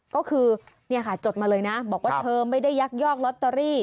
ก็คือเนี่ยค่ะจดมาเลยนะบอกว่าเธอไม่ได้ยักยอกลอตเตอรี่